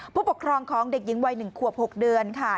ผู้ปกครองของเด็กหญิงวัย๑ขวบ๖เดือนค่ะ